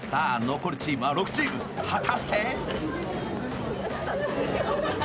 残るチームは６チーム果たして？